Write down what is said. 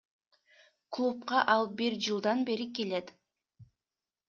Клубга ал бир жылдан бери келет.